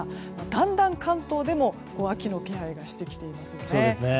だんだん関東でも秋の気配がしてきていますよね。